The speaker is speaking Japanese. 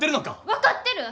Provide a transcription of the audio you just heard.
分かってる！